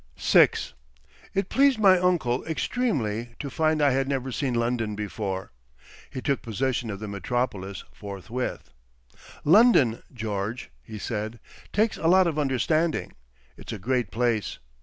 VI It pleased my uncle extremely to find I had never seen London before. He took possession of the metropolis forthwith. "London, George," he said, "takes a lot of understanding. It's a great place.